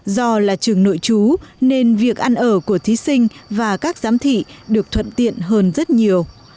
do là trường nội trú nên việc ăn ở của thí sinh và các giám thị được thuận tiện hơn rất nhiều